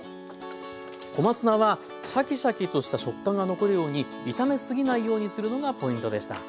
小松菜はシャキシャキとした食感が残るように炒めすぎないようにするのがポイントでした。